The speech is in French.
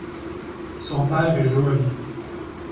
Son père est joaillier.